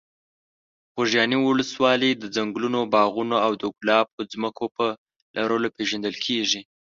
خوږیاڼي ولسوالۍ د ځنګلونو، باغونو او د ګلابو ځمکو په لرلو پېژندل کېږي.